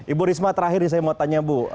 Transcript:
ibu risma terakhir nih saya mau tanya bu